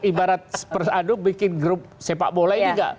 ibarat persadu bikin grup sepak bola ini enggak